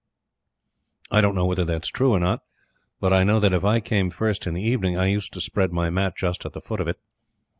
I don't know whether that's true or not, but I know that, if I came first in the evening, I used to spread my mat just at the foot of it.